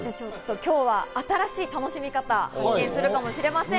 今日は新しい楽しみ方を発見するかもしれません。